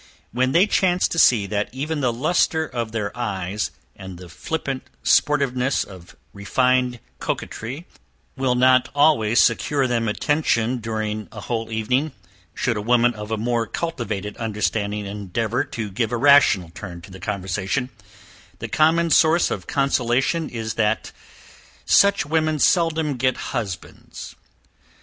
When they chance to see that even the lustre of their eyes, and the flippant sportiveness of refined coquetry will not always secure them attention, during a whole evening, should a woman of a more cultivated understanding endeavour to give a rational turn to the conversation, the common source of consolation is, that such women seldom get husbands.